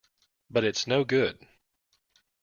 But it's no good.